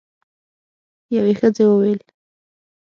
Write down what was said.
یوه ښځه وویل: